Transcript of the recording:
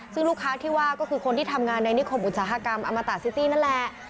ซึ่งลูกค้าที่ว่าก็คือคนที่ทำงานในนิคมอุตสาหกรรมอมตาซิตี้นั่นแหละ